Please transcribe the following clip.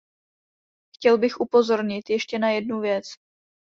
Chtěl bych upozornit ještě na jednu věc.